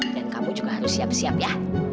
dan kamu juga harus siap siap ya